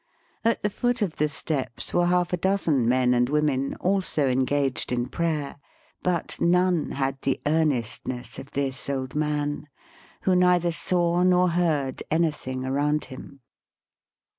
At the foot of the steps were half a dozen men and women also engaged in prayer. But none had the earnestness of this old man, who neither saw nor heard anything around him.